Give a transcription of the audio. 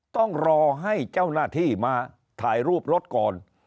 ต้องรอให้เจ้าหน้าที่มาถ่ายรูปรถก่อน